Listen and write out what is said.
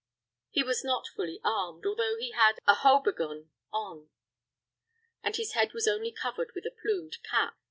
He was not fully armed, although he had a haubergeon on; and his head was only covered with a plumed cap.